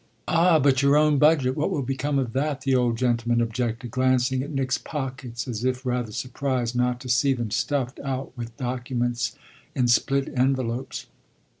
"Ah but your own budget what will become of that?" the old gentleman objected, glancing at Nick's pockets as if rather surprised not to see them stuffed out with documents in split envelopes.